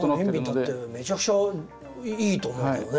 めちゃくちゃいいと思うけどね。